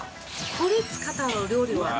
これ使ったお料理はね